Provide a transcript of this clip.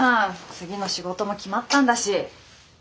次の仕事も決まったんだし。